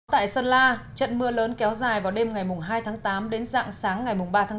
tại sơn la trận mưa lớn kéo dài vào đêm ngày hai tháng tám đến dạng sáng ngày ba tháng tám